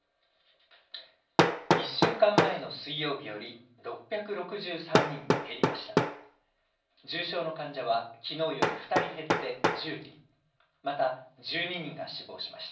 １週間前の水曜日より６６３人減りました。